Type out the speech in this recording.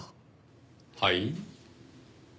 はい？